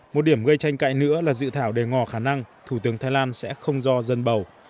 một điểm gây tranh cãi nữa là dự thảo đề ngò khả năng thủ tướng thái lan sẽ không do dân bầu